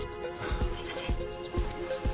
すみません。